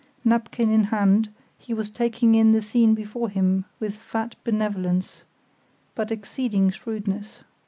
Napkin in hand, he was taking in the scene before him with fat benevolence, but exceeding shrewdness.